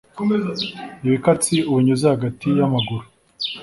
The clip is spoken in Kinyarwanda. ibikatsi ubinyuze hagati y’amaguru